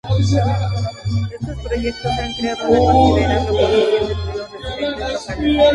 Estos proyectos han creado una considerable oposición entre los residentes locales.